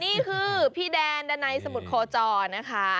นี่คือพี่แดนดันัยสมุทรโคจรนะคะ